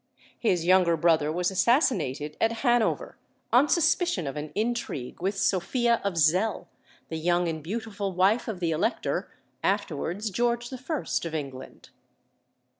His younger brother was assassinated at Hanover, on suspicion of an intrigue with Sophia of Zell, the young and beautiful wife of the Elector, afterwards George I. of England.